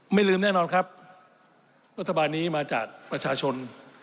ไม่ลืมแน่นอนครับรัฐบาลนี้มาจากประชาชน